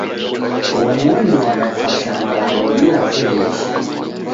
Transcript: Uomoni wadafasha malagho bila kughesha